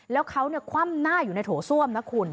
แล้วเขาคว่ำหน้าอยู่ในโถส้วมนะคุณ